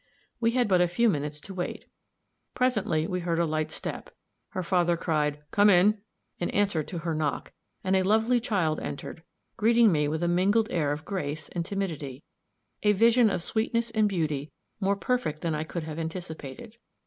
We had but a few minutes to wait. Presently we heard a light step; her father cried, "Come in!" in answer to her knock, and a lovely child entered, greeting me with a mingled air of grace and timidity a vision of sweetness and beauty more perfect than I could have anticipated.